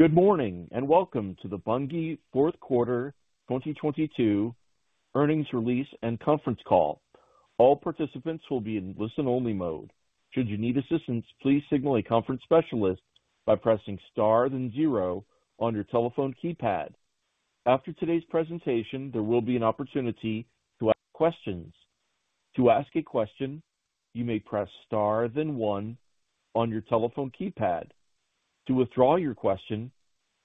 Good morning, welcome to the Bunge Fourth Quarter 2022 Earnings Release and Conference Call. All participants will be in listen-only mode. Should you need assistance, please signal a conference specialist by pressing star, then zero on your telephone keypad. After today's presentation, there will be an opportunity to ask questions. To ask a question, you may press star, then one on your telephone keypad. To withdraw your question,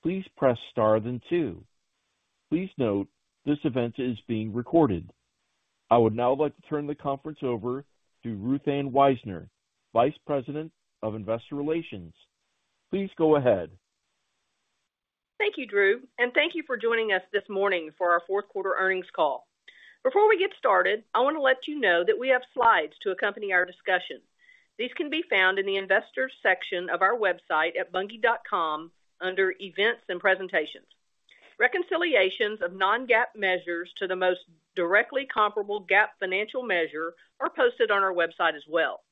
please press star, then two. Please note this event is being recorded. I would now like to turn the conference over to Ruth Ann Wisener, Vice President of Investor Relations. Please go ahead. Thank you, Drew, and thank you for joining us this morning for our fourth quarter earnings call. Before we get started, I want to let you know that we have slides to accompany our discussion. These can be found in the Investors section of our website at bunge.com under Events and Presentations. Reconciliations of non-GAAP measures to the most directly comparable GAAP financial measure are posted on our website as well.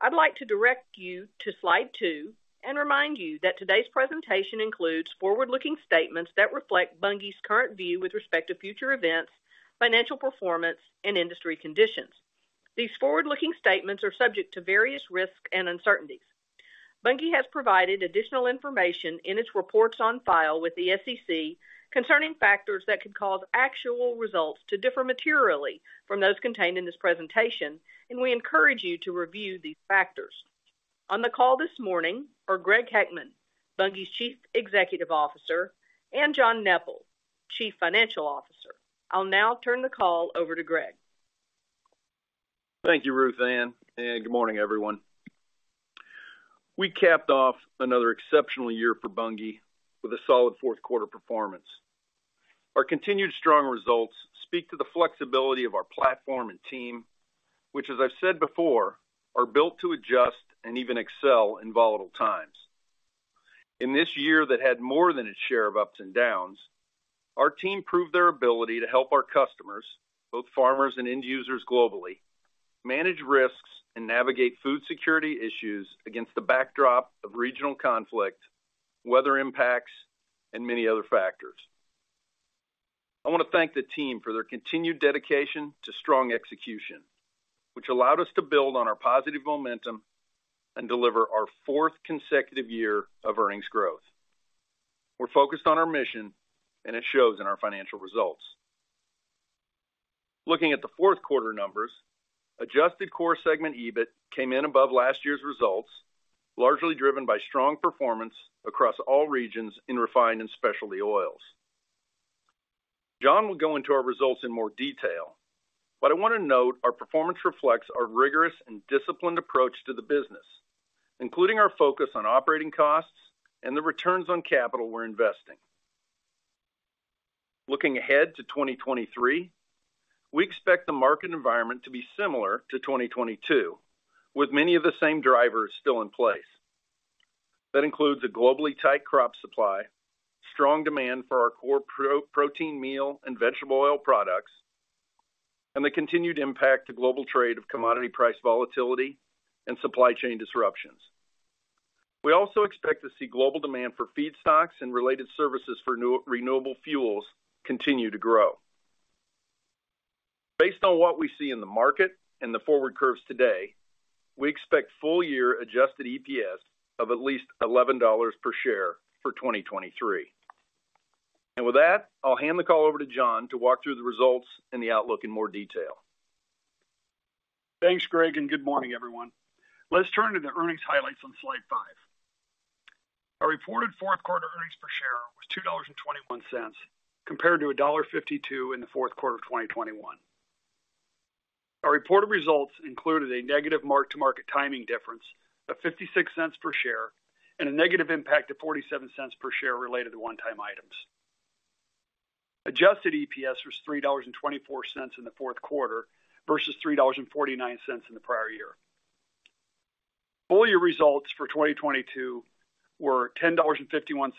I'd like to direct you to slide two and remind you that today's presentation includes forward-looking statements that reflect Bunge's current view with respect to future events, financial performance, and industry conditions. These forward-looking statements are subject to various risks and uncertainties. Bunge has provided additional information in its reports on file with the SEC concerning factors that could cause actual results to differ materially from those contained in this presentation, and we encourage you to review these factors. On the call this morning are Greg Heckman, Bunge's Chief Executive Officer, and John Neppl, Chief Financial Officer. I'll now turn the call over to Greg. Thank you, Ruth Ann, and good morning, everyone. We capped off another exceptional year for Bunge with a solid fourth quarter performance. Our continued strong results speak to the flexibility of our platform and team, which, as I've said before, are built to adjust and even excel in volatile times. In this year that had more than its share of ups and downs, our team proved their ability to help our customers, both farmers and end users globally, manage risks and navigate food security issues against the backdrop of regional conflict, weather impacts, and many other factors. I want to thank the team for their continued dedication to strong execution, which allowed us to build on our positive momentum and deliver our fourth consecutive year of earnings growth. We're focused on our mission, and it shows in our financial results. Looking at the fourth quarter numbers, adjusted core segment EBIT came in above last year's results, largely driven by strong performance across all regions in refined and specialty oils. John will go into our results in more detail, I want to note our performance reflects our rigorous and disciplined approach to the business, including our focus on operating costs and the returns on capital we're investing. Looking ahead to 2023, we expect the market environment to be similar to 2022, with many of the same drivers still in place. That includes a globally tight crop supply, strong demand for our core protein meal and vegetable oil products, and the continued impact to global trade of commodity price volatility and supply chain disruptions. We also expect to see global demand for feedstocks and related services for renewable fuels continue to grow. Based on what we see in the market and the forward curves today, we expect full-year adjusted EPS of at least $11 per share for 2023. With that, I'll hand the call over to John to walk through the results and the outlook in more detail. Thanks, Greg, and good morning, everyone. Let's turn to the earnings highlights on slide five. Our reported fourth quarter earnings per share was $2.21, compared to $1.52 in the fourth quarter of 2021. Our reported results included a negative mark-to-market timing difference of $0.56 per share and a negative impact of $0.47 per share related to one-time items. Adjusted EPS was $3.24 in the fourth quarter versus $3.49 in the prior year. Full-year results for 2022 were $10.51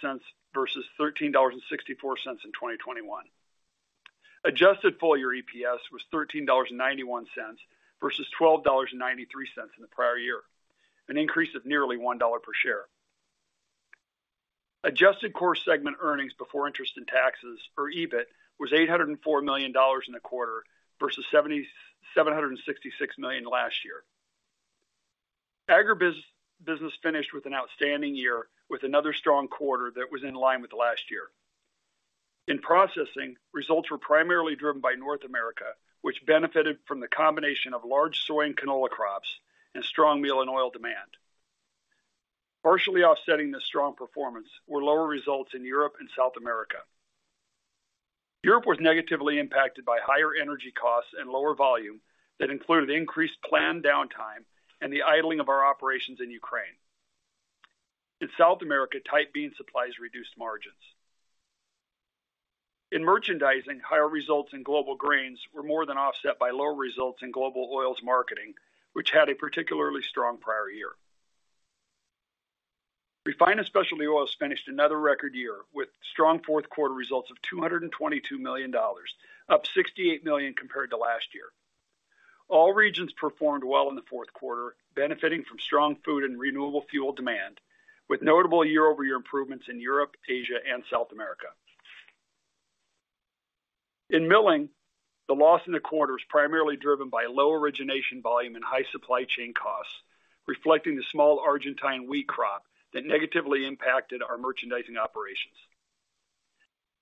versus $13.64 in 2021. Adjusted full-year EPS was $13.91 versus $12.93 in the prior year, an increase of nearly $1 per share. Adjusted core segment earnings before interest and taxes, or EBIT, was $804 million in the quarter versus $766 million last year. Agribusiness finished with an outstanding year with another strong quarter that was in line with last year. In processing, results were primarily driven by North America, which benefited from the combination of large soy and canola crops and strong meal and oil demand. Partially offsetting this strong performance were lower results in Europe and South America. Europe was negatively impacted by higher energy costs and lower volume that included increased planned downtime and the idling of our operations in Ukraine. In South America, tight bean supplies reduced margins. In merchandising, higher results in global grains were more than offset by lower results in global oils marketing, which had a particularly strong prior year. Refined & Specialty Oils finished another record year with strong fourth quarter results of $222 million, up $68 million compared to last year. All regions performed well in the fourth quarter, benefiting from strong food and renewable fuel demand, with notable year-over-year improvements in Europe, Asia and South America. In Milling, the loss in the quarter was primarily driven by low origination volume and high supply chain costs, reflecting the small Argentine wheat crop that negatively impacted our merchandising operations.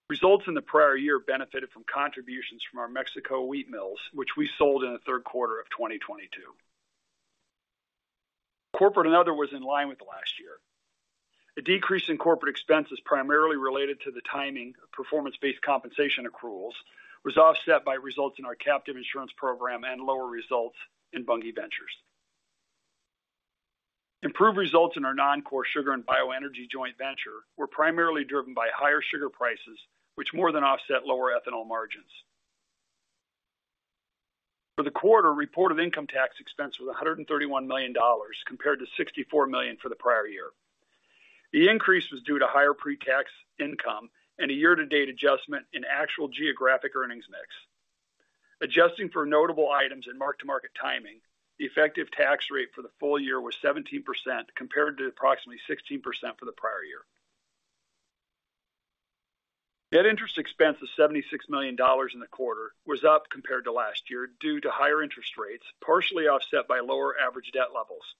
Results in the prior year benefited from contributions from our Mexico wheat mills, which we sold in the third quarter of 2022. Corporate and other was in line with last year. A decrease in corporate expenses primarily related to the timing of performance-based compensation accruals, was offset by results in our captive insurance program and lower results in Bunge Ventures. Improved results in our non-core sugar and bioenergy joint venture were primarily driven by higher sugar prices, which more than offset lower ethanol margins. For the quarter, reported income tax expense was $131 million compared to $64 million for the prior year. The increase was due to higher pre-tax income and a year-to-date adjustment in actual geographic earnings mix. Adjusting for notable items and mark-to-market timing, the effective tax rate for the full year was 17% compared to approximately 16% for the prior year. Net interest expense of $76 million in the quarter was up compared to last year due to higher interest rates, partially offset by lower average debt levels.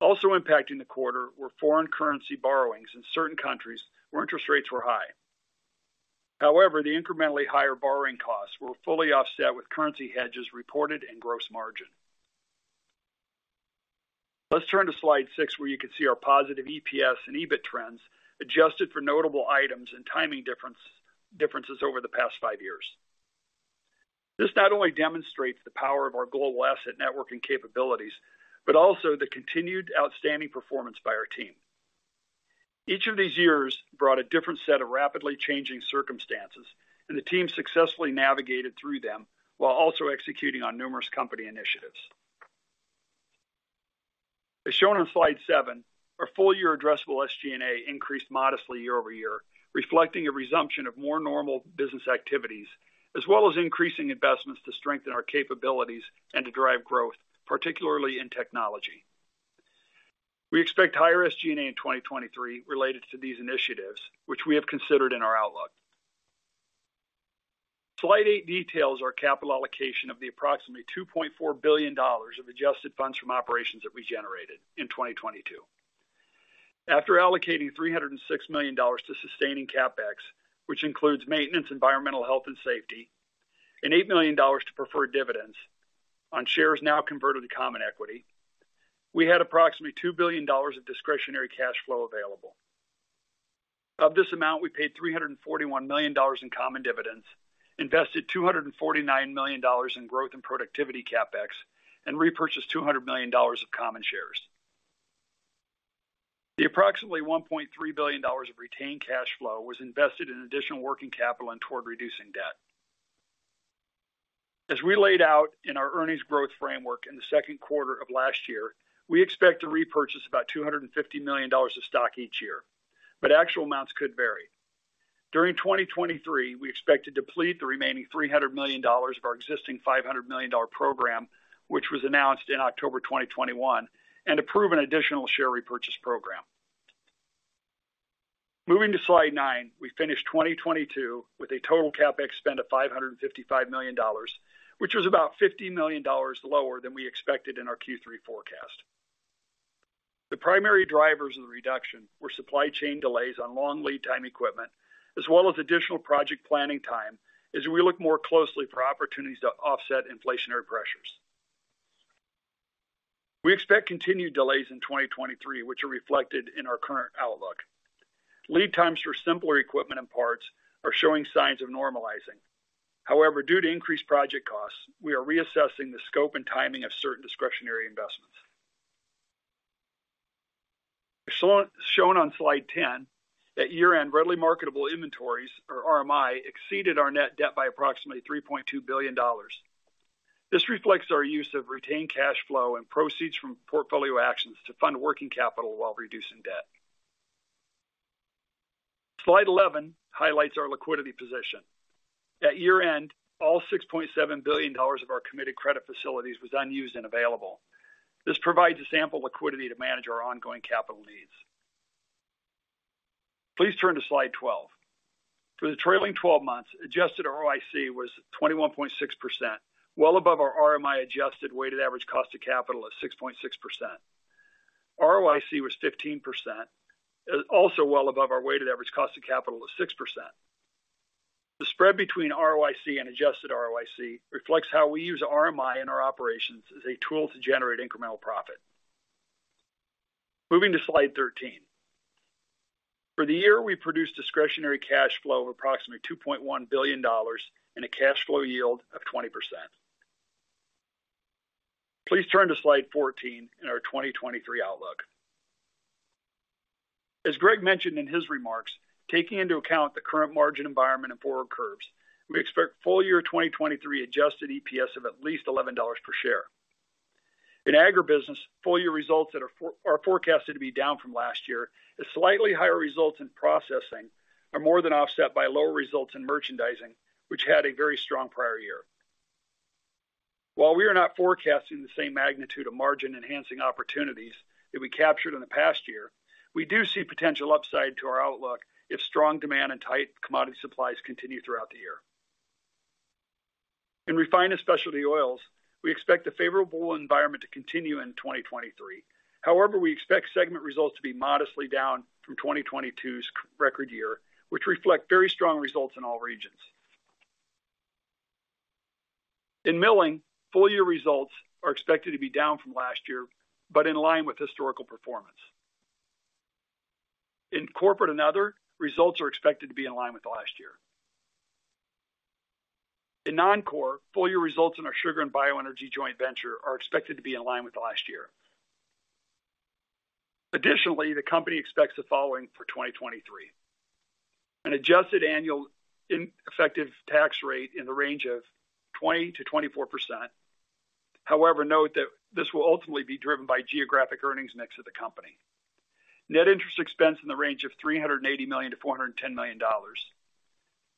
Also impacting the quarter were foreign currency borrowings in certain countries where interest rates were high. However, the incrementally higher borrowing costs were fully offset with currency hedges reported in gross margin. Let's turn to slide six, where you can see our positive EPS and EBIT trends adjusted for notable items and timing differences over the past five years. This not only demonstrates the power of our global asset network and capabilities, but also the continued outstanding performance by our team. Each of these years brought a different set of rapidly changing circumstances, and the team successfully navigated through them while also executing on numerous company initiatives. As shown on slide seven, our full-year addressable SG&A increased modestly year-over-year, reflecting a resumption of more normal business activities, as well as increasing investments to strengthen our capabilities and to drive growth, particularly in technology. We expect higher SG&A in 2023 related to these initiatives, which we have considered in our outlook. Slide eight details our capital allocation of the approximately $2.4 billion of adjusted funds from operations that we generated in 2022. After allocating $306 million to sustaining CapEx, which includes maintenance environmental health and safety, and $8 million to preferred dividends on shares now converted to common equity, we had approximately $2 billion of discretionary cash flow available. Of this amount, we paid $341 million in common dividends, invested $249 million in growth and productivity CapEx, and repurchased $200 million of common shares. The approximately $1.3 billion of retained cash flow was invested in additional working capital and toward reducing debt. As we laid out in our earnings growth framework in the second quarter of last year, we expect to repurchase about $250 million of stock each year, but actual amounts could vary. During 2023, we expect to deplete the remaining $300 million of our existing $500 million program, which was announced in October 2021, and approve an additional share repurchase program. Moving to slide nine, we finished 2022 with a total CapEx spend of $555 million, which was about $50 million lower than we expected in our Q3 forecast. The primary drivers of the reduction were supply chain delays on long lead time equipment, as well as additional project planning time as we look more closely for opportunities to offset inflationary pressures. We expect continued delays in 2023, which are reflected in our current outlook. Lead times for simpler equipment and parts are showing signs of normalizing. Due to increased project costs, we are reassessing the scope and timing of certain discretionary investments. shown on slide 10, at year-end, readily marketable inventories, or RMI, exceeded our net debt by approximately $3.2 billion. This reflects our use of retained cash flow and proceeds from portfolio actions to fund working capital while reducing debt. Slide 11 highlights our liquidity position. At year-end, all $6.7 billion of our committed credit facilities was unused and available. This provides us ample liquidity to manage our ongoing capital needs. Please turn to slide 12. For the trailing 12 months, adjusted ROIC was 21.6%, well above our RMI adjusted weighted average cost of capital of 6.6%. ROIC was 15%, also well above our weighted average cost of capital of 6%. The spread between ROIC and adjusted ROIC reflects how we use RMI in our operations as a tool to generate incremental profit. Moving to slide 13. For the year, we produced discretionary cash flow of approximately $2.1 billion and a cash flow yield of 20%. Please turn to slide 14 in our 2023 outlook. As Greg mentioned in his remarks, taking into account the current margin environment and forward curves, we expect full-year 2023 adjusted EPS of at least $11 per share. In Agribusiness, full year results that are forecasted to be down from last year as slightly higher results in processing are more than offset by lower results in merchandising, which had a very strong prior year. We are not forecasting the same magnitude of margin enhancing opportunities that we captured in the past year, we do see potential upside to our outlook if strong demand and tight commodity supplies continue throughout the year. In refined and specialty oils, we expect the favorable environment to continue in 2023. We expect segment results to be modestly down from 2022's record year, which reflect very strong results in all regions. In Milling, full year results are expected to be down from last year, but in line with historical performance. In corporate and other, results are expected to be in line with last year. In non-core, full year results in our sugar and bioenergy joint venture are expected to be in line with last year. Additionally, the company expects the following for 2023. An adjusted annual effective tax rate in the range of 20%-24%. However, note that this will ultimately be driven by geographic earnings mix of the company. Net interest expense in the range of $380 million-$410 million.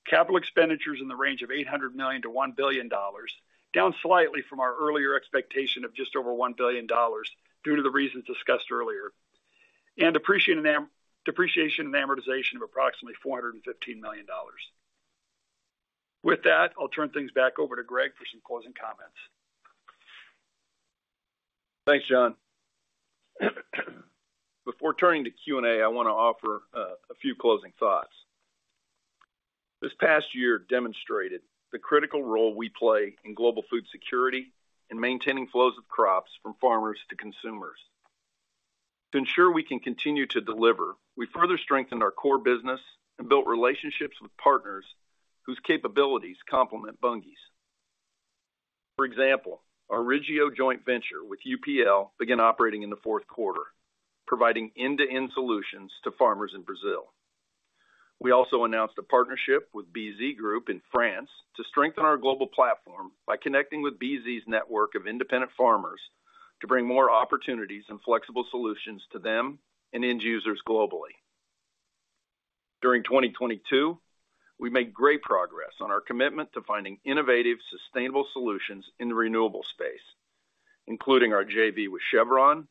Capital expenditures in the range of $800 million-$1 billion, down slightly from our earlier expectation of just over $1 billion due to the reasons discussed earlier. Appreciating depreciation and amortization of approximately $415 million. With that, I'll turn things back over to Greg for some closing comments. Thanks, John. Before turning to Q&A, I wanna offer a few closing thoughts. This past year demonstrated the critical role we play in global food security and maintaining flows of crops from farmers to consumers. To ensure we can continue to deliver, we further strengthened our core business and built relationships with partners whose capabilities complement Bunge's. For example, our Orígeo joint venture with UPL began operating in the fourth quarter, providing end-to-end solutions to farmers in Brazil. We also announced a partnership with BZ Group in France to strengthen our global platform by connecting with BZ's network of independent farmers to bring more opportunities and flexible solutions to them and end users globally. During 2022, we made great progress on our commitment to finding innovative, sustainable solutions in the renewable space, including our JV with Chevron,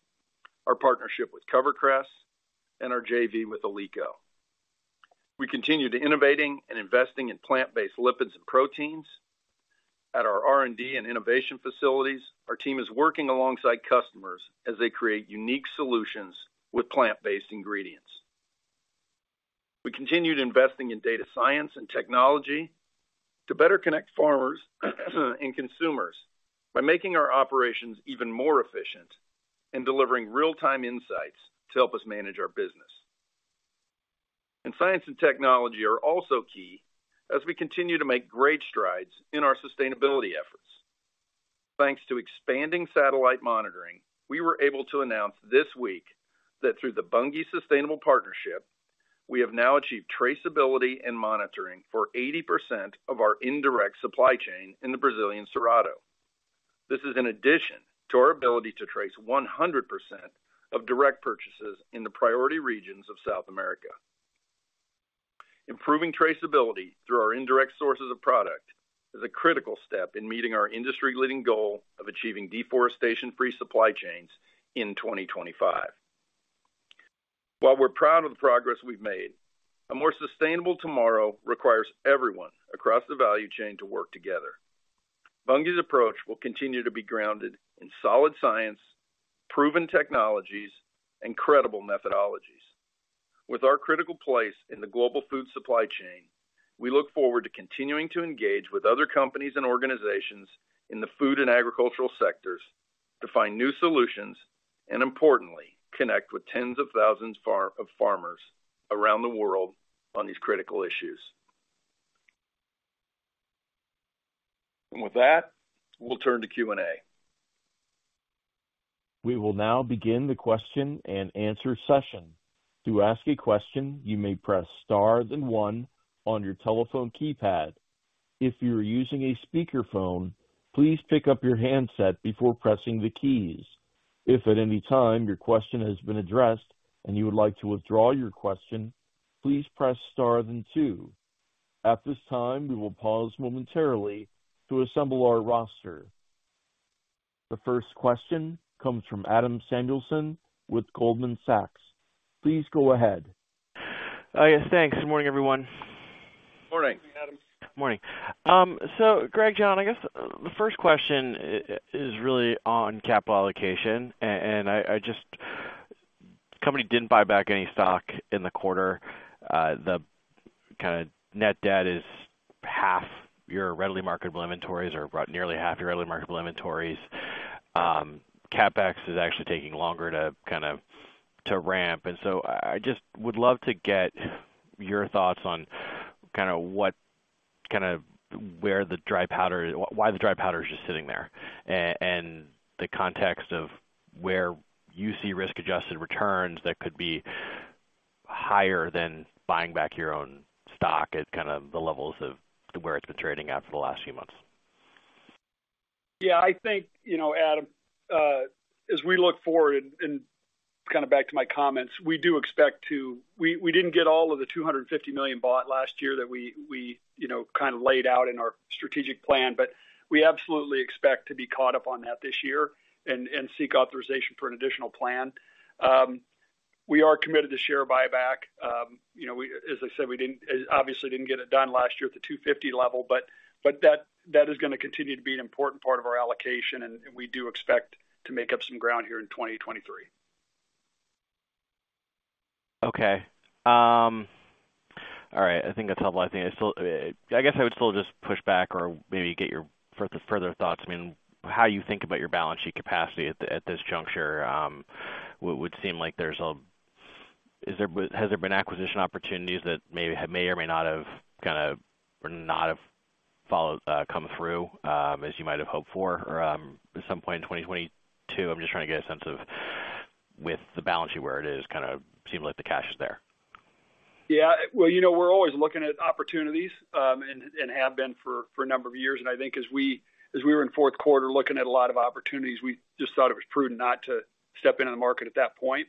our partnership with CoverCress, and our JV with Olleco. We continue to innovating and investing in plant-based lipids and proteins. At our R&D and innovation facilities, our team is working alongside customers as they create unique solutions with plant-based ingredients. We continued investing in data science and technology to better connect farmers and consumers by making our operations even more efficient and delivering real-time insights to help us manage our business. Science and technology are also key as we continue to make great strides in our sustainability efforts. Thanks to expanding satellite monitoring, we were able to announce this week that through the Bunge Sustainable Partnership, we have now achieved traceability and monitoring for 80% of our indirect supply chain in the Brazilian Cerrado. This is in addition to our ability to trace 100% of direct purchases in the priority regions of South America. Improving traceability through our indirect sources of product is a critical step in meeting our industry-leading goal of achieving deforestation-free supply chains in 2025. While we're proud of the progress we've made, a more sustainable tomorrow requires everyone across the value chain to work together. Bunge's approach will continue to be grounded in solid science, proven technologies, and credible methodologies. With our critical place in the global food supply chain, we look forward to continuing to engage with other companies and organizations in the food and agricultural sectors to find new solutions, and importantly, connect with tens of thousands of farmers around the world on these critical issues. With that, we'll turn to Q&A. We will now begin the question and answer session. To ask a question, you may press star then one on your telephone keypad. If you are using a speakerphone, please pick up your handset before pressing the keys. If at any time your question has been addressed and you would like to withdraw your question, please press star then two. At this time, we will pause momentarily to assemble our roster. The first question comes from Adam Samuelson with Goldman Sachs. Please go ahead. yes, thanks. Good morning, everyone. Morning. Morning, Adam. Morning. Greg, John, I guess, the first question is really on capital allocation. Company didn't buy back any stock in the quarter. The kinda net debt is half your readily marketable inventories or about nearly half your readily marketable inventories. CapEx is actually taking longer to kind of, to ramp. I just would love to get your thoughts on kinda what, where the dry powder is just sitting there? And the context of where you see risk-adjusted returns that could be higher than buying back your own stock at kind of the levels of where it's been trading at for the last few months? Yeah, I think, you know, Adam, as we look forward and kind of back to my comments, we didn't get all of the $250 million bought last year that we, you know, kind of laid out in our strategic plan. We absolutely expect to be caught up on that this year and seek authorization for an additional plan. We are committed to share buyback. You know, we as I said, we didn't obviously didn't get it done last year at the $250 level, but that is gonna continue to be an important part of our allocation, and we do expect to make up some ground here in 2023. Okay. All right. I think that's helpful. I think I still, I guess I would still just push back or maybe get your further thoughts. I mean, how you think about your balance sheet capacity at this juncture, would seem like there's a... Has there been acquisition opportunities that maybe may or may not have kinda or not have followed, come through, as you might have hoped for or, at some point in 2022? I'm just trying to get a sense of with the balance sheet where it is, kinda seems like the cash is there. Yeah. Well, you know, we're always looking at opportunities, and have been for a number of years. I think as we were in fourth quarter looking at a lot of opportunities, we just thought it was prudent not to step into the market at that point.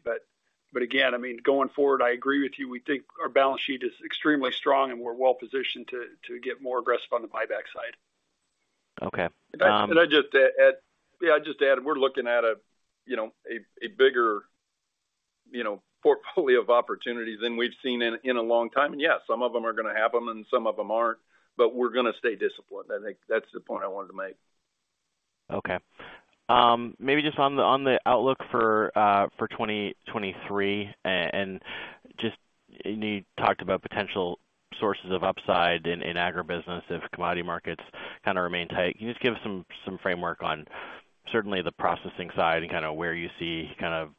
Again, I mean, going forward, I agree with you. We think our balance sheet is extremely strong, and we're well-positioned to get more aggressive on the buyback side. Okay. Can I just add, yeah, I'd just add, we're looking at a, you know, a bigger, you know, portfolio of opportunities than we've seen in a long time. Yeah, some of them are gonna happen and some of them aren't, but we're gonna stay disciplined. I think that's the point I wanted to make. Okay. Maybe just on the outlook for 2023. Just you talked about potential sources of upside in Agribusiness if commodity markets kind of remain tight. Can you just give us some framework on certainly the processing side and kind of where you see kind of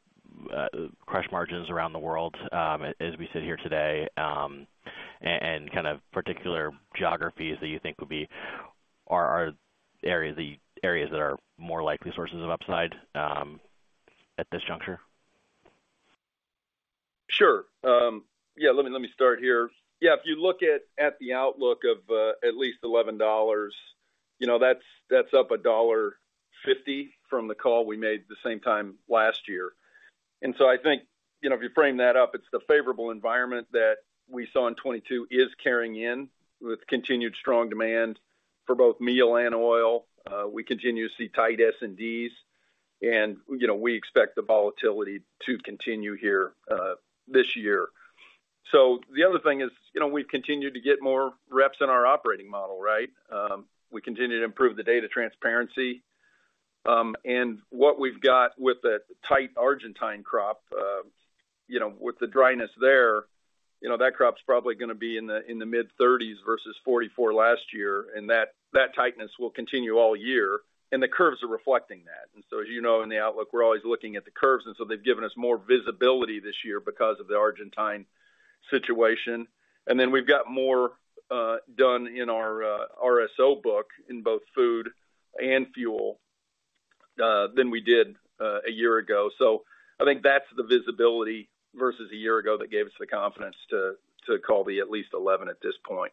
crush margins around the world, as we sit here today, and kind of particular geographies that you think would be areas that are more likely sources of upside at this juncture? Yeah, let me start here. If you look at the outlook of at least $11, you know, that's up $1.50 from the call we made the same time last year. I think, you know, if you frame that up, it's the favorable environment that we saw in 2022 is carrying in with continued strong demand for both meal and oil. We continue to see tight S&Ds, you know, we expect the volatility to continue here this year. The other thing is, you know, we've continued to get more reps in our operating model, right? We continue to improve the data transparency. What we've got with a tight Argentine crop, you know, with the dryness there, you know, that crop's probably gonna be in the mid-30s versus 44 last year, and that tightness will continue all year. The curves are reflecting that. As you know, in the outlook, we're always looking at the curves, they've given us more visibility this year because of the Argentine situation. We've got more done in our RSO book in both food and fuel than we did a year ago. I think that's the visibility versus a year ago that gave us the confidence to call the at least $11 at this point.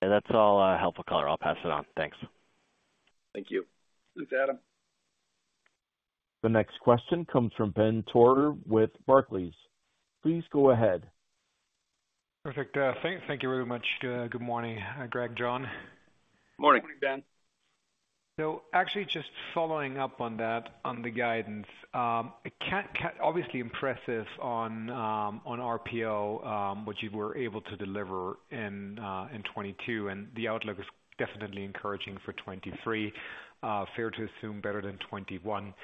That's all, helpful color. I'll pass it on. Thanks. Thank you. Thanks, Adam. The next question comes from Ben Theurer with Barclays. Please go ahead. Perfect. Thank you very much. Good morning, Greg, John. Morning. Morning, Ben. Actually just following up on that, on the guidance. obviously impressive on RPO, what you were able to deliver in 2022, and the outlook is definitely encouraging for 2023. Fair to assume better than 2021.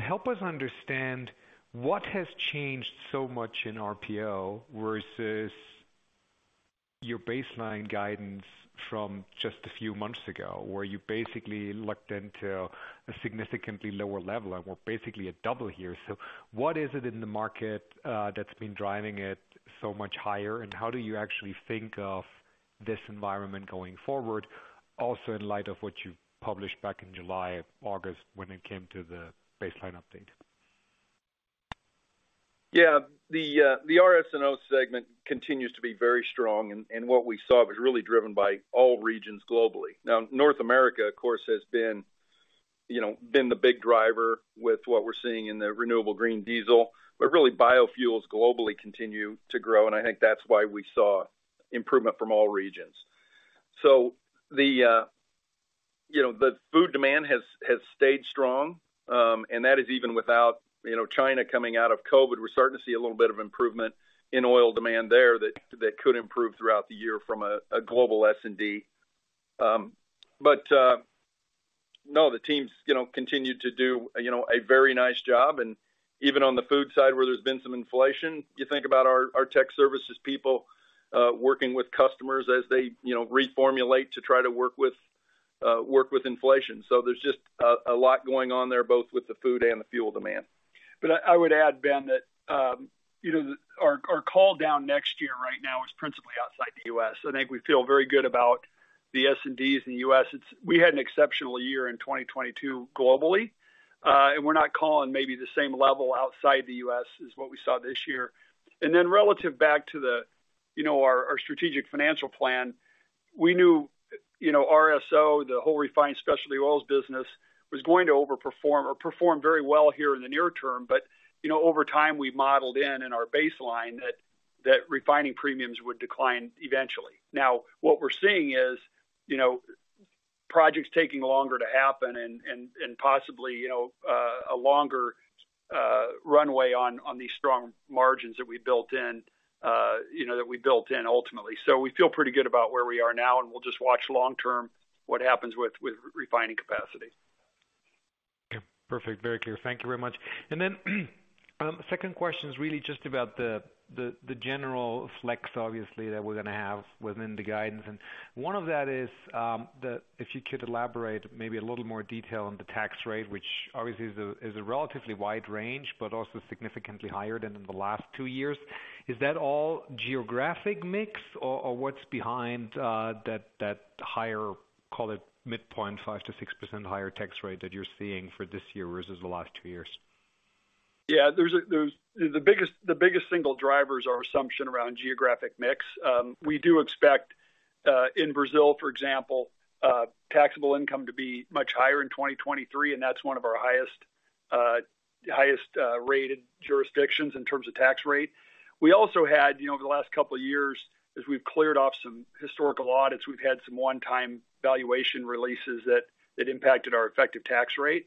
Help us understand what has changed so much in RPO versus your baseline guidance from just a few months ago, where you basically looked into a significantly lower level and we're basically at double here? What is it in the market that's been driving it so much higher? How do you actually think of this environment going forward also in light of what you published back in July, August when it came to the baseline update? Yeah. The RS&O segment continues to be very strong. What we saw was really driven by all regions globally. North America, of course, has been, you know, the big driver with what we're seeing in the renewable green diesel. Really biofuels globally continue to grow, and I think that's why we saw improvement from all regions. The, you know, the food demand has stayed strong. That is even without, you know, China coming out of COVID. We're starting to see a little bit of improvement in oil demand there that could improve throughout the year from a global S&D. No, the teams, you know, continue to do, you know, a very nice job. Even on the food side, where there's been some inflation, you think about our tech services people, working with customers as they, you know, reformulate to try to work with inflation. There's just a lot going on there, both with the food and the fuel demand. I would add, Ben, that, you know, our call down next year right now is principally outside the U.S. I think we feel very good about the S&Ds in the U.S., we had an exceptional year in 2022 globally, and we're not calling maybe the same level outside the U.S. is what we saw this year. Relative back to the, you know, our strategic financial plan, we knew, you know, RSO, the whole refined specialty oils business, was going to overperform or perform very well here in the near term. You know, over time, we modeled in our baseline that refining premiums would decline eventually. What we're seeing is, you know, projects taking longer to happen and possibly, you know, a longer runway on these strong margins that we built in, you know, that we built in ultimately. We feel pretty good about where we are now, and we'll just watch long term what happens with refining capacity. Okay. Perfect. Very clear. Thank you very much. Second question is really just about the general flex, obviously, that we're gonna have within the guidance. One of that is, if you could elaborate maybe a little more detail on the tax rate, which obviously is a relatively wide range, but also significantly higher than in the last two years. Is that all geographic mix or what's behind that higher, call it midpoint 5%-6% higher tax rate that you're seeing for this year versus the last two years? Yeah. The biggest single drivers are assumption around geographic mix. We do expect in Brazil, for example, taxable income to be much higher in 2023, and that's one of our highest rated jurisdictions in terms of tax rate. We also had, you know, over the last couple of years, as we've cleared off some historical audits, we've had some one-time valuation releases that impacted our effective tax rate.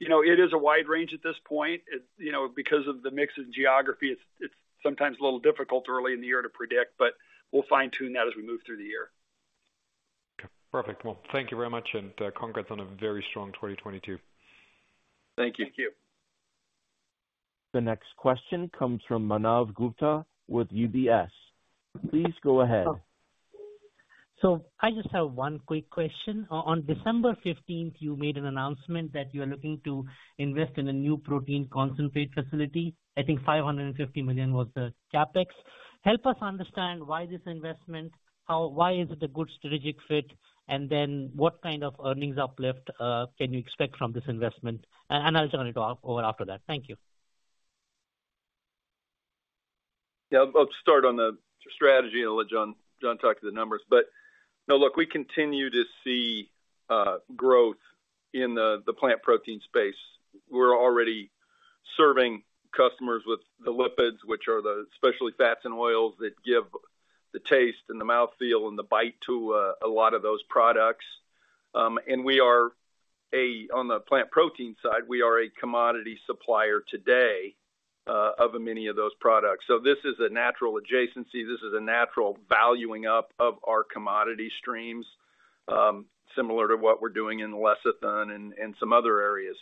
You know, it is a wide range at this point. It's, you know, because of the mix in geography, it's sometimes a little difficult early in the year to predict, but we'll fine-tune that as we move through the year. Okay. Perfect. Well, thank you very much, and, congrats on a very strong 2022. Thank you. Thank you. The next question comes from Manav Gupta with UBS. Please go ahead. I just have one quick question. On December 15th, you made an announcement that you are looking to invest in a new protein concentrate facility. I think $550 million was the CapEx. Help us understand why this investment, why is it a good strategic fit, and then what kind of earnings uplift can you expect from this investment? I'll turn it over after that. Thank you. Yeah. I'll start on the strategy and let John talk to the numbers. No, look, we continue to see growth in the plant protein space. We're already serving customers with the lipids, which are the specialty fats and oils that give the taste and the mouthfeel and the bite to a lot of those products. On the plant protein side, we are a commodity supplier today of many of those products. This is a natural adjacency. This is a natural valuing up of our commodity streams, similar to what we're doing in lecithin and some other areas.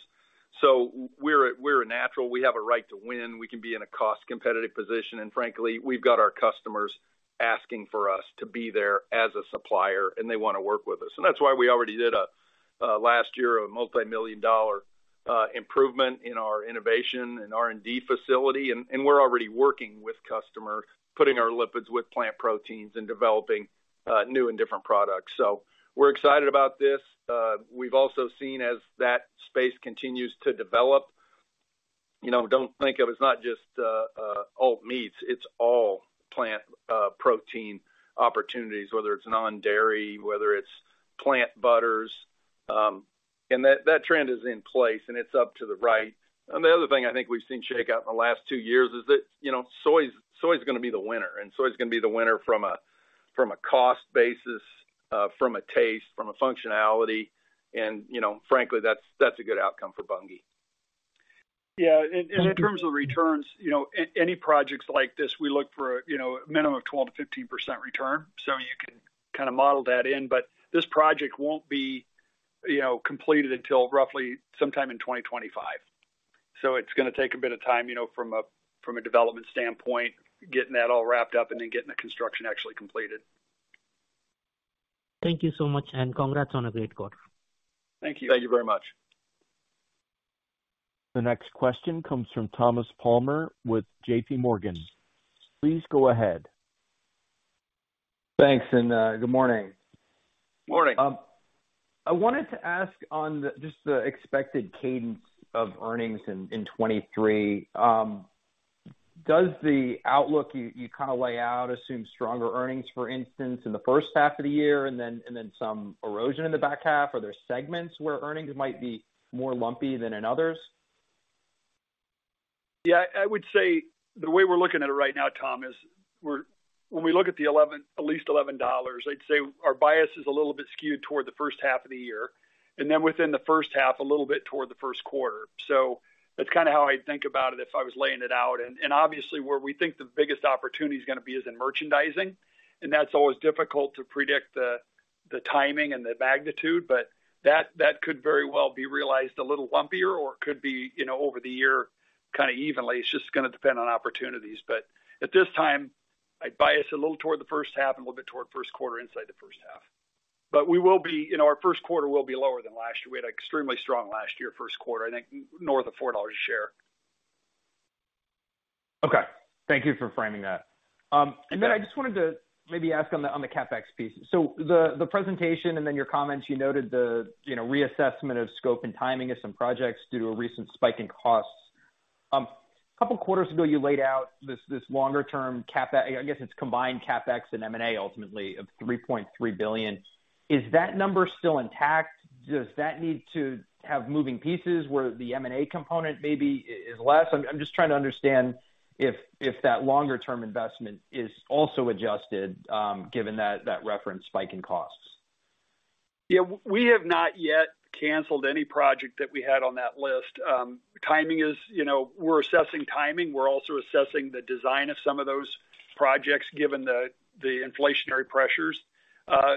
We're a natural, we have a right to win. We can be in a cost-competitive position. Frankly, we've got our customers asking for us to be there as a supplier, and they wanna work with us. That's why we already did a last year, a multimillion-dollar improvement in our innovation and R&D facility. We're already working with customers, putting our lipids with plant proteins and developing new and different products. We're excited about this. We've also seen as that space continues to develop. You know, don't think of it. It's not just alt meats, it's all plant protein opportunities, whether it's non-dairy, whether it's plant butters. That, that trend is in place, and it's up to the right. The other thing I think we've seen shake out in the last two years is that, you know, soy is gonna be the winner, and soy is gonna be the winner from a, from a cost basis, from a taste, from a functionality, and, you know, frankly, that's a good outcome for Bunge. Yeah. In terms of returns, you know, any projects like this, we look for, you know, a minimum of 12%-15% return. You can kinda model that in, but this project won't be, you know, completed until roughly sometime in 2025. It's gonna take a bit of time, you know, from a development standpoint, getting that all wrapped up and then getting the construction actually completed. Thank you so much, and congrats on a great quarter. Thank you. Thank you very much. The next question comes from Thomas Palmer with JPMorgan. Please go ahead. Thanks, and good morning. Morning. I wanted to ask on just the expected cadence of earnings in 2023. Does the outlook you kinda lay out assume stronger earnings, for instance, in the first half of the year and then some erosion in the back half? Are there segments where earnings might be more lumpy than in others? Yeah. I would say the way we're looking at it right now, Tom, is when we look at the at least $11, I'd say our bias is a little bit skewed toward the first half of the year, and then within the first half, a little bit toward the first quarter. That's kinda how I'd think about it if I was laying it out. Obviously, where we think the biggest opportunity is gonna be is in merchandising. That's always difficult to predict the timing and the magnitude, but that could very well be realized a little lumpier, or it could be, you know, over the year kinda evenly. It's just gonna depend on opportunities. At this time, I'd bias a little toward the first half and a little bit toward first quarter inside the first half. You know, our first quarter will be lower than last year. We had extremely strong last year, first quarter, I think north of $4 a share. Thank you for framing that. I just wanted to maybe ask on the, on the CapEx piece. The, the presentation and then your comments, you noted the, you know, reassessment of scope and timing of some projects due to a recent spike in costs. A couple quarters ago, you laid out this longer term CapEx, I guess it's combined CapEx and M&A ultimately of $3.3 billion. Is that number still intact? Does that need to have moving pieces where the M&A component maybe is less? I'm just trying to understand if that longer term investment is also adjusted, given that referenced spike in costs. Yeah. We have not yet canceled any project that we had on that list. Timing is, you know, we're assessing timing. We're also assessing the design of some of those projects given the inflationary pressures,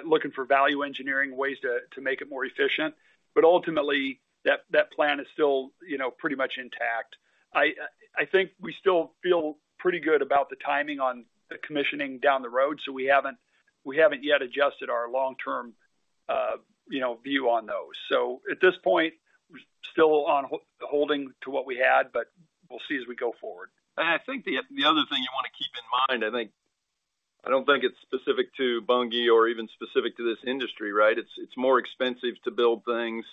looking for value engineering ways to make it more efficient. But ultimately, that plan is still, you know, pretty much intact. I think we still feel pretty good about the timing on the commissioning down the road, so we haven't yet adjusted our long-term, you know, view on those. So at this point, we're still on holding to what we had, but we'll see as we go forward. I think the other thing you wanna keep in mind, I think, I don't think it's specific to Bunge or even specific to this industry, right? It's more expensive to build things,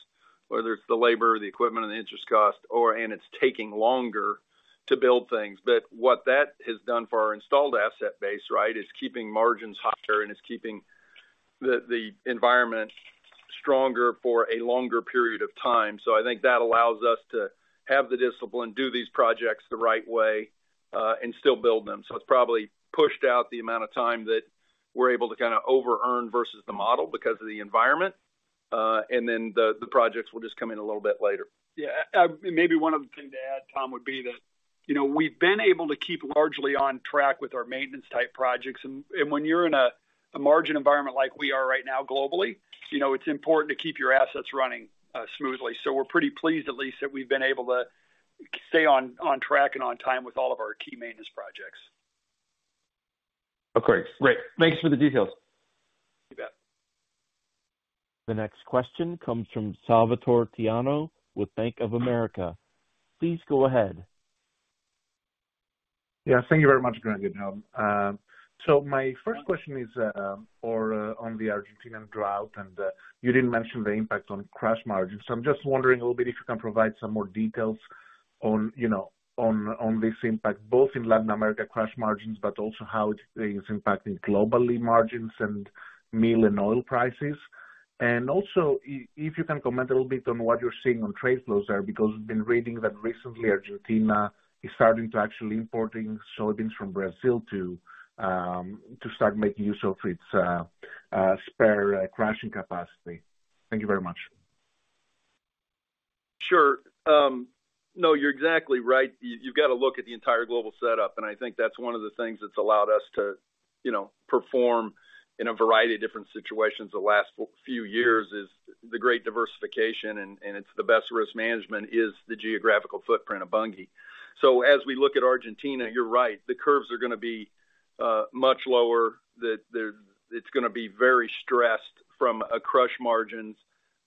whether it's the labor, the equipment, or the interest cost, and it's taking longer to build things. What that has done for our installed asset base, right, is keeping margins higher and it's keeping the environment stronger for a longer period of time. I think that allows us to have the discipline, do these projects the right way, and still build them. It's probably pushed out the amount of time that we're able to kind of over earn versus the model because of the environment, and then the projects will just come in a little bit later. Yeah. Maybe one other thing to add, Tom, would be that, you know, we've been able to keep largely on track with our maintenance type projects. When you're in a margin environment like we are right now globally, you know, it's important to keep your assets running smoothly. We're pretty pleased at least that we've been able to stay on track and on time with all of our key maintenance projects. Okay. Great. Thanks for the details. You bet. The next question comes from Salvator Tiano with Bank of America. Please go ahead. Yeah. Thank you very much, Greg and John. My first question is for on the Argentinian drought. You didn't mention the impact on crush margins. I'm just wondering a little bit if you can provide some more details on, you know, on this impact, both in Latin America crush margins, but also how it is impacting globally margins and meal and oil prices. Also, if you can comment a little bit on what you're seeing on trade flows there, because we've been reading that recently Argentina is starting to actually importing soybeans from Brazil to start making use of its spare crushing capacity. Thank you very much. Sure. You're exactly right. You've got to look at the entire global setup, and I think that's one of the things that's allowed us to, you know, perform in a variety of different situations the last few years is the great diversification, and it's the best risk management is the geographical footprint of Bunge. As we look at Argentina, you're right. The curves are gonna be much lower. It's gonna be very stressed from a crush margins,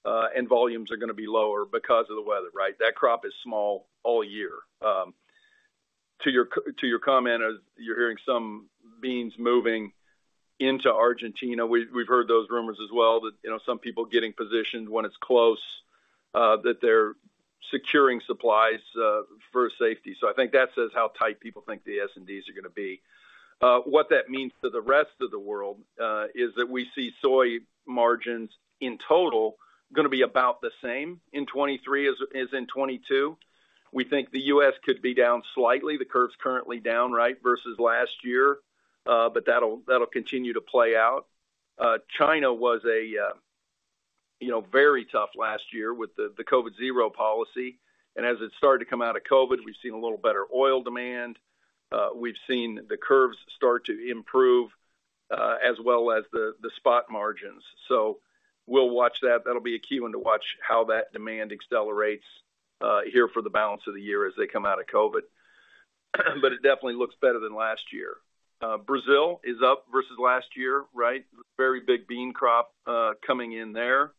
and volumes are gonna be lower because of the weather, right? That crop is small all year. To your comment, you're hearing some beans moving into Argentina. We've heard those rumors as well that, you know, some people getting positioned when it's close, that they're securing supplies for safety. I think that says how tight people think the S&Ds are gonna be. What that means for the rest of the world is that we see soy margins in total gonna be about the same in 2023 as in 2022. We think the U.S. could be down slightly. The curve's currently down, right, versus last year, but that'll continue to play out. China was, you know, very tough last year with the COVID zero policy. As it started to come out of COVID, we've seen a little better oil demand. We've seen the curves start to improve, as well as the spot margins. We'll watch that. That'll be a key one to watch how that demand accelerates here for the balance of the year as they come out of COVID. It definitely looks better than last year. Brazil is up versus last year, right? Very big bean crop coming in there.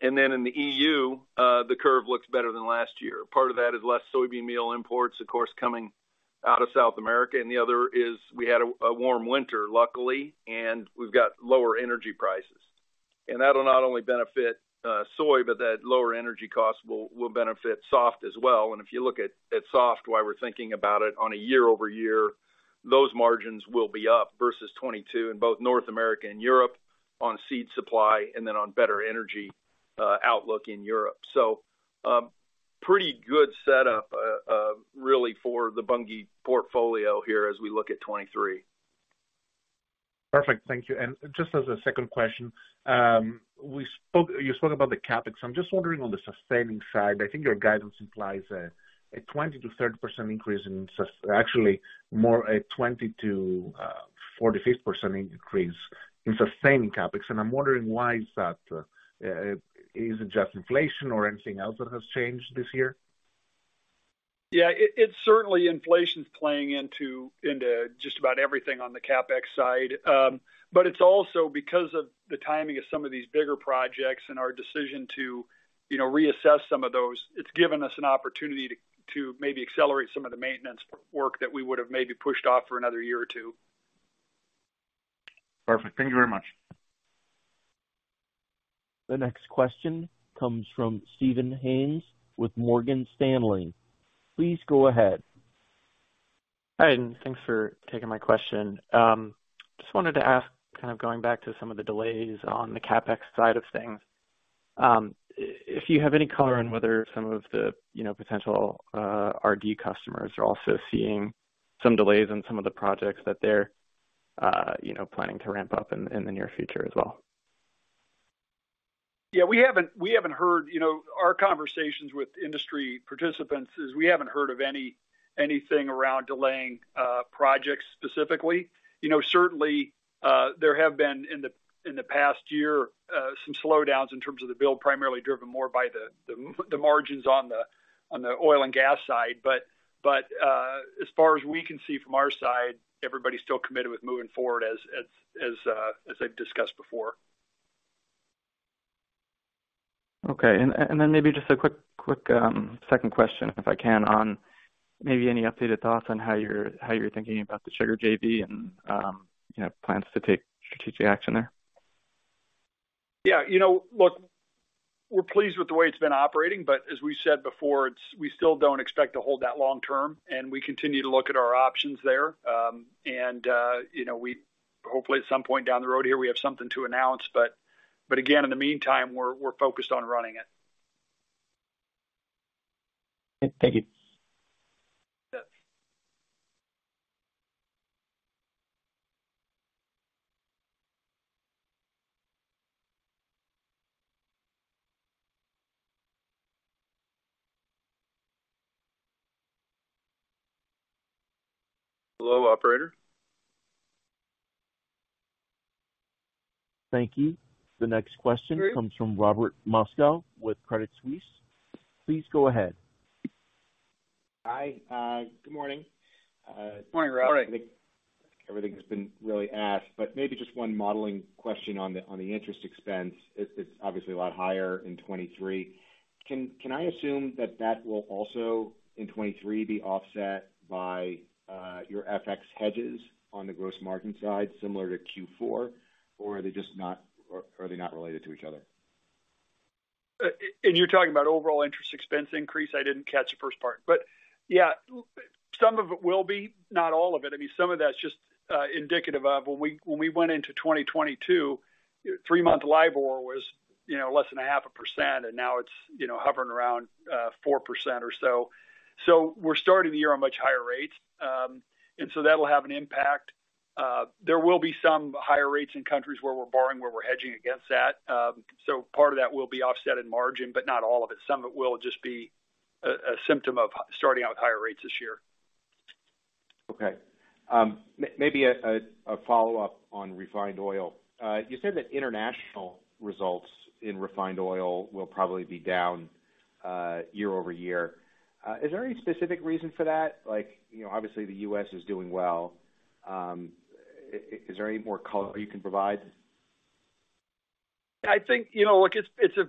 In the EU, the curve looks better than last year. Part of that is less soybean meal imports, of course, coming out of South America, and the other is we had a warm winter, luckily, and we've got lower energy prices. That'll not only benefit soy, but that lower energy cost will benefit soft as well. If you look at soft, why we're thinking about it on a year-over-year, those margins will be up versus 2022 in both North America and Europe on seed supply and then on better energy outlook in Europe. Pretty good setup really for the Bunge portfolio here as we look at 2023. Perfect. Thank you. Just as a second question, you spoke about the CapEx. I'm just wondering on the sustaining side, I think your guidance implies a 20%-30% increase in actually more a 20%-45% increase in sustaining CapEx. I'm wondering why is that? Is it just inflation or anything else that has changed this year? Yeah. It's certainly inflation's playing into just about everything on the CapEx side. It's also because of the timing of some of these bigger projects and our decision to, you know, reassess some of those. It's given us an opportunity to maybe accelerate some of the maintenance work that we would have maybe pushed off for another year or two. Perfect. Thank you very much. The next question comes from Steven Haynes with Morgan Stanley. Please go ahead. Hi. Thanks for taking my question. Just wanted to ask, kind of going back to some of the delays on the CapEx side of things, if you have any color on whether some of the, you know, potential RD customers are also seeing some delays on some of the projects that they're, you know, planning to ramp up in the near future as well. We haven't heard. You know, our conversations with industry participants is we haven't heard of anything around delaying projects specifically. You know, certainly, there have been in the past year some slowdowns in terms of the build, primarily driven more by the margins on the oil and gas side. As far as we can see from our side, everybody's still committed with moving forward as I've discussed before. Okay. Then maybe just a quick second question, if I can, on maybe any updated thoughts on how you're thinking about the sugar JV and, you know, plans to take strategic action there. Yeah, you know, look, we're pleased with the way it's been operating, but as we said before, we still don't expect to hold that long term. We continue to look at our options there. You know, we hopefully at some point down the road here we have something to announce, but again, in the meantime, we're focused on running it. Thank you. Yep. Hello, operator. Thank you. The next question. Sorry... comes from Robert Moskow with Credit Suisse. Please go ahead. Hi. Good morning. Good morning, Rob. I think everything has been really asked, but maybe just one modeling question on the interest expense. It's obviously a lot higher in 2023. Can I assume that that will also in 2023 be offset by your FX hedges on the gross margin side similar to Q4? Are they just not related to each other? You're talking about overall interest expense increase? I didn't catch the first part. Yeah, some of it will be, not all of it. I mean, some of that's just indicative of when we, when we went into 2022, three-month LIBOR was, you know, less than 0.5%, and now it's, you know, hovering around 4% or so. We're starting the year on much higher rates. That'll have an impact. There will be some higher rates in countries where we're borrowing, where we're hedging against that. Part of that will be offset in margin, but not all of it. Some of it will just be a symptom of starting out higher rates this year. Okay. maybe a follow-up on refined oil. you said that international results in refined oil will probably be down, year-over-year. is there any specific reason for that? Like, you know, obviously the U.S. is doing well. is there any more color you can provide? I think, you know, look, it's a,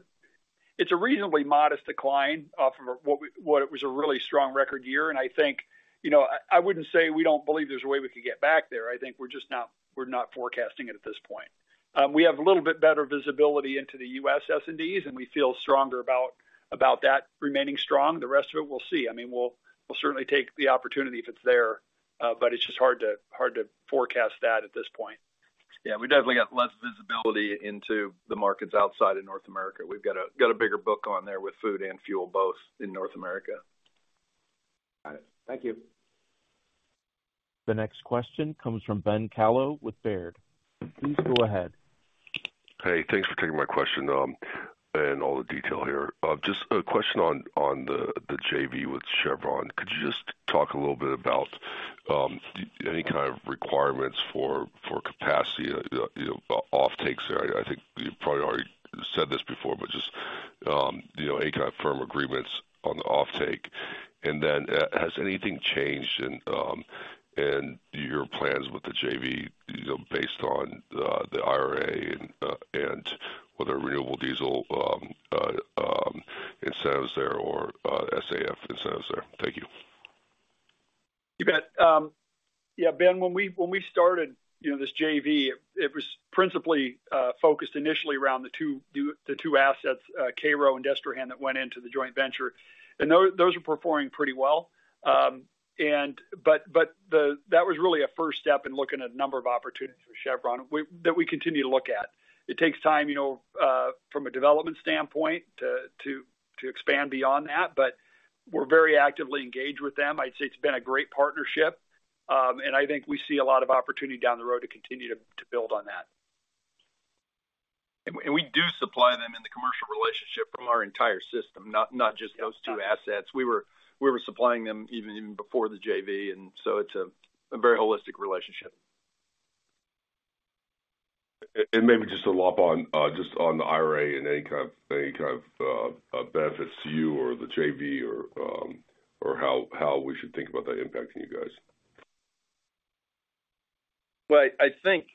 it's a reasonably modest decline off of what it was a really strong record year. I think, you know, I wouldn't say we don't believe there's a way we could get back there. I think we're just not forecasting it at this point. We have a little bit better visibility into the U.S. S&Ds, we feel stronger about that remaining strong. The rest of it, we'll see. I mean, we'll certainly take the opportunity if it's there, but it's just hard to, hard to forecast that at this point. Yeah, we definitely got less visibility into the markets outside of North America. We've got a bigger book on there with food and fuel both in North America. Got it. Thank you. The next question comes from Ben Kallo with Baird. Please go ahead. Hey, thanks for taking my question, and all the detail here. Just a question on the JV with Chevron. Could you just talk a little bit about any kind of requirements for capacity, you know, offtakes there? I think you've probably already said this before, but just, you know, any kind of firm agreements on the offtake. Has anything changed in your plans with the JV, you know, based on the IRA and whether renewable diesel incentives there or SAF incentives there? Thank you. You bet. Yeah, Ben, when we started, you know, this JV, it was principally focused initially around the two assets, Cairo and Destrehan, that went into the joint venture. Those are performing pretty well. But that was really a first step in looking at a number of opportunities with Chevron that we continue to look at. It takes time, you know, from a development standpoint to expand beyond that, but we're very actively engaged with them. I'd say it's been a great partnership, and I think we see a lot of opportunity down the road to continue to build on that. We do supply them in the commercial relationship from our entire system, not just those two assets. We were supplying them even before the JV, it's a very holistic relationship. Maybe just to lop on, just on the IRA and any kind of benefits to you or the JV or how we should think about that impacting you guys? Well, I think,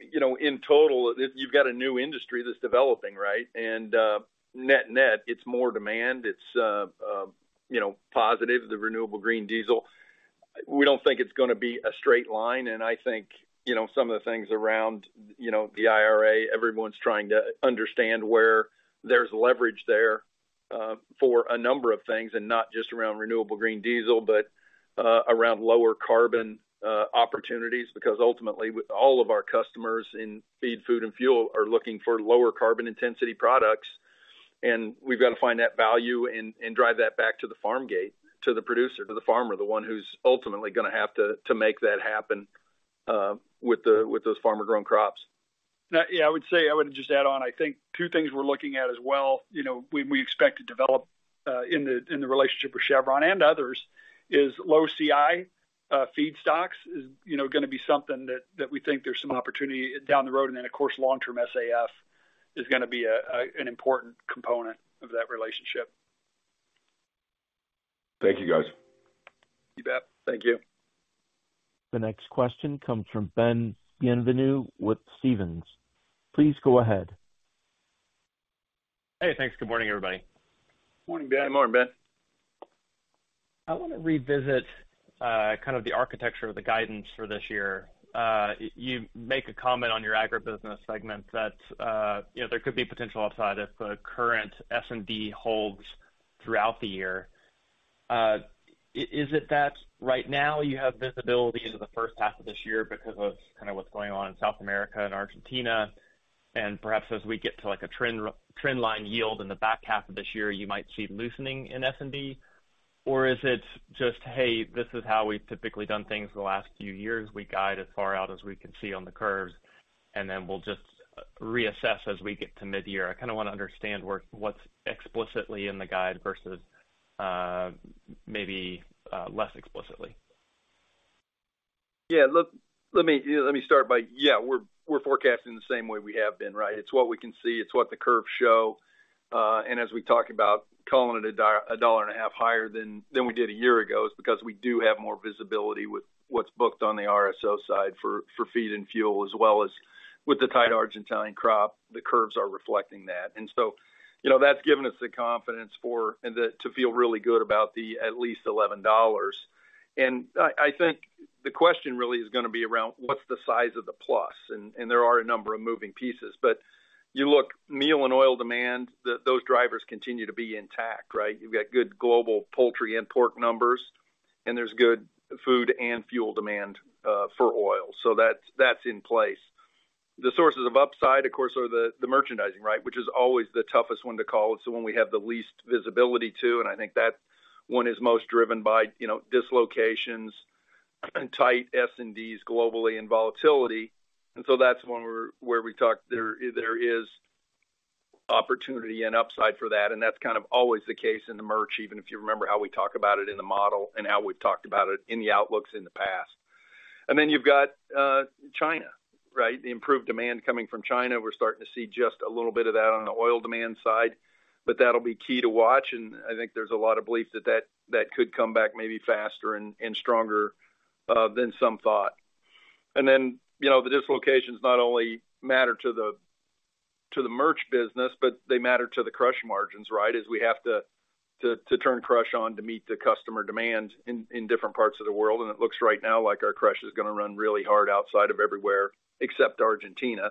you know, in total, you've got a new industry that's developing, right? Net-net, it's more demand. It's. You know, positive, the renewable green diesel. We don't think it's gonna be a straight line. I think, you know, some of the things around, you know, the IRA, everyone's trying to understand where there's leverage there, for a number of things, and not just around renewable green diesel, but around lower carbon opportunities. Ultimately, all of our customers in feed, food, and fuel are looking for lower carbon intensity products. We've got to find that value and drive that back to the farm gate, to the producer, to the farmer, the one who's ultimately gonna have to make that happen with those farmer-grown crops. I would say, I would just add on, I think two things we're looking at as well, you know, we expect to develop in the, in the relationship with Chevron and others is low CI feedstocks is, you know, gonna be something that we think there's some opportunity down the road. Of course, long-term SAF is gonna be an important component of that relationship. Thank you, guys. You bet. Thank you. The next question comes from Ben Bienvenu with Stephens. Please go ahead. Hey, thanks. Good morning, everybody. Morning, Ben. Good morning, Ben. I want to revisit, kind of the architecture of the guidance for this year. You make a comment on your agribusiness segment that, you know, there could be potential upside if the current S&D holds throughout the year. Is it that right now you have visibility into the first half of this year because of kind of what's going on in South America and Argentina, and perhaps as we get to, like, a trendline yield in the back half of this year, you might see loosening in S&D? Or is it just, "Hey, this is how we've typically done things the last few years. We guide as far out as we can see on the curves, and then we'll just reassess as we get to mid-year." I kind of want to understand where what's explicitly in the guide versus, maybe, less explicitly. Yeah, look, let me start by, yeah, we're forecasting the same way we have been, right? It's what we can see. It's what the curves show. As we talk about calling it a dollar and a half higher than we did a year ago is because we do have more visibility with what's booked on the RSO side for feed and fuel, as well as with the tight Argentine crop. The curves are reflecting that. You know, that's given us the confidence to feel really good about the at least $11. I think the question really is gonna be around what's the size of the plus, and there are a number of moving pieces. You look meal and oil demand, those drivers continue to be intact, right? You've got good global poultry and pork numbers, and there's good food and fuel demand for oil. That's in place. The sources of upside, of course, are the merchandising, right? Which is always the toughest one to call. It's the one we have the least visibility to, and I think that one is most driven by, you know, dislocations and tight S&Ds globally and volatility. That's one where we talked there is opportunity and upside for that. That's kind of always the case in the merch, even if you remember how we talk about it in the model and how we've talked about it in the outlooks in the past. You've got China, right? The improved demand coming from China. We're starting to see just a little bit of that on the oil demand side, but that'll be key to watch. I think there's a lot of belief that, that could come back maybe faster and stronger than some thought. Then, you know, the dislocations not only matter to the merch business, but they matter to the crush margins, right? As we have to turn crush on to meet the customer demand in different parts of the world. It looks right now like our crush is gonna run really hard outside of everywhere except Argentina.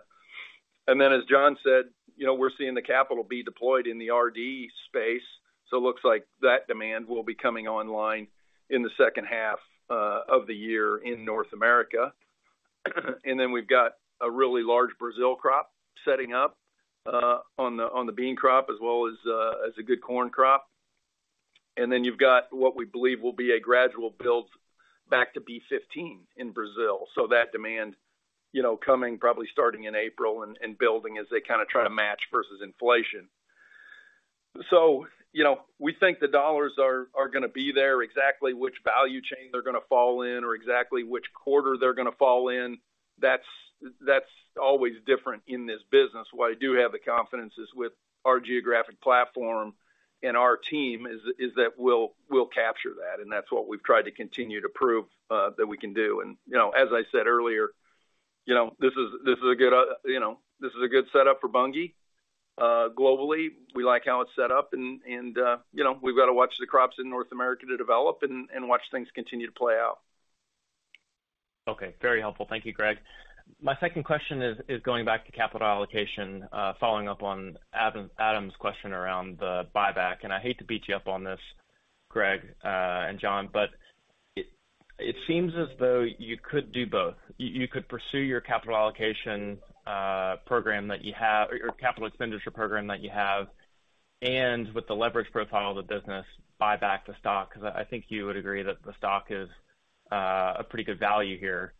Then, as John said, you know, we're seeing the capital be deployed in the RD space, so it looks like that demand will be coming online in the second half of the year in North America. We've got a really large Brazil crop setting up on the bean crop as well as a good corn crop. You've got what we believe will be a gradual build back to B15 in Brazil. That demand, you know, coming probably starting in April and building as they kind of try to match versus inflation. You know, we think the dollars are gonna be there. Exactly which value chain they're gonna fall in or exactly which quarter they're gonna fall in, that's always different in this business. What I do have the confidence is with our geographic platform and our team is that we'll capture that, and that's what we've tried to continue to prove that we can do. You know, as I said earlier, you know, this is a good, you know, this is a good setup for Bunge. Globally, we like how it's set up and, you know, we've got to watch the crops in North America to develop and watch things continue to play out. Okay, very helpful. Thank you, Greg. My second question is going back to capital allocation, following up on Adam's question around the buyback. I hate to beat you up on this, Greg and John, but it seems as though you could do both. You could pursue your capital allocation program that you have or your capital expenditure program that you have. With the leverage profile of the business, buy back the stock, 'cause I think you would agree that the stock is a pretty good value here.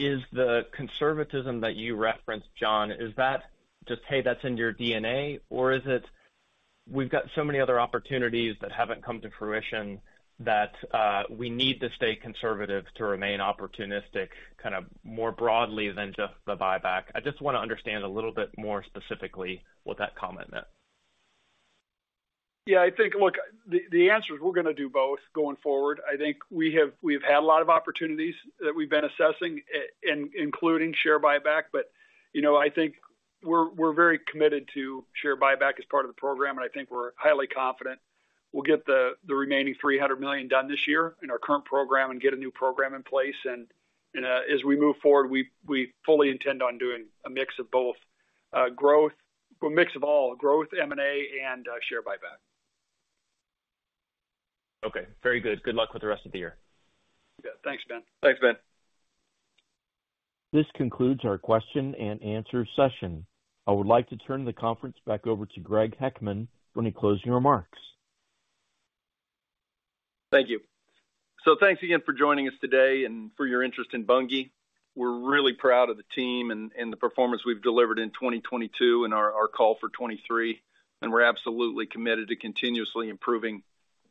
Is the conservatism that you referenced, John, is that just, hey, that's in your DNA or is it, we've got so many other opportunities that haven't come to fruition that we need to stay conservative to remain opportunistic kind of more broadly than just the buyback? I just wanna understand a little bit more specifically what that comment meant. Yeah, I think, look, the answer is we're gonna do both going forward. I think we've had a lot of opportunities that we've been assessing, including share buyback. You know, I think we're very committed to share buyback as part of the program, and I think we're highly confident we'll get the remaining $300 million done this year in our current program and get a new program in place. As we move forward, we fully intend on doing a mix of both, a mix of all growth, M&A and share buyback. Okay, very good. Good luck with the rest of the year. Yeah. Thanks, Ben. Thanks, Ben. This concludes our question and answer session. I would like to turn the conference back over to Greg Heckman for any closing remarks. Thank you. Thanks again for joining us today and for your interest in Bunge. We're really proud of the team and the performance we've delivered in 2022 and our call for 2023, and we're absolutely committed to continuously improving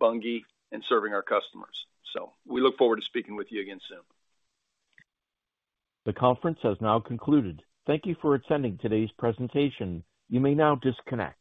Bunge and serving our customers. We look forward to speaking with you again soon. The conference has now concluded. Thank you for attending today's presentation. You may now disconnect.